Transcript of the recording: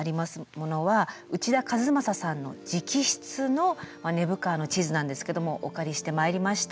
ものは内田一正さんの直筆の根府川の地図なんですけどもお借りしてまいりました。